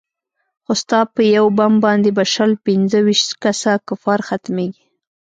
خو ستا په يو بم باندې به شل پينځه ويشت کسه کفار ختميګي.